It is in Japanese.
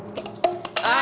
あ！